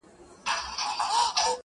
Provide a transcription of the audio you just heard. زلفي او باڼه اشــــــنـــــــــــا _